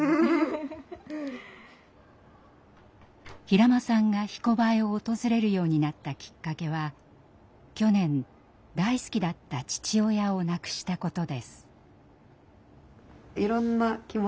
平間さんが「ひこばえ」を訪れるようになったきっかけは去年大好きだった父親を亡くしたことです。